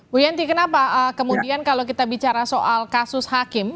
bu yenti kenapa kemudian kalau kita bicara soal kasus hakim